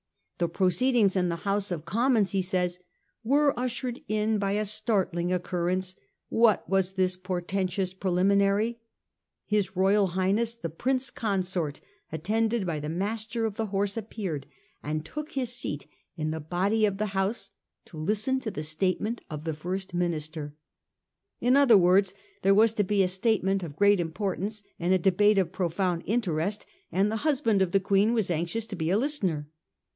The proceedings in the House of Commons, he says, ' were ushered in by a startling occurrence.' What was this portentous preliminary ?' His Royal High ness the Prince Consort, attended by the Master of the Horse, appeared and took his seat in the body of the House to listen to the statement of the First Minister.' In other words, there was to be a state ment of great importance and a debate of profound interest, and the husband of the Queen was anxious to be a listener.